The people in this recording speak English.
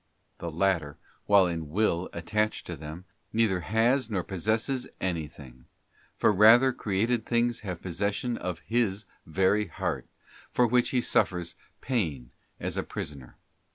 '* The latter, while in will at tached to them, neither has nor possesses anything, for rather created things have possession of his very heart, for which cause he suffers pain as a prisoner.